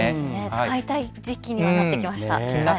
使いたい時期にはなってきましたよね。